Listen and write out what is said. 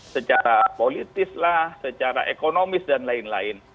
secara politislah secara ekonomis dan lain lain